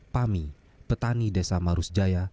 pami petani desa marus jaya